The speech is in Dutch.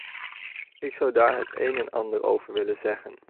Ik zou daar het een en ander over willen zeggen.